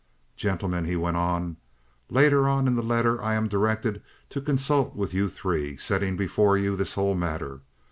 "Gentlemen," he went on, "later on in the letter I am directed to consult with you three, setting before you this whole matter.